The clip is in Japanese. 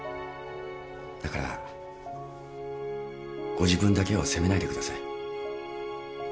だからご自分だけを責めないでください。